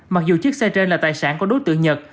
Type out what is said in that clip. mặc dù chiếc xe trên là tài sản của đối tượng nhật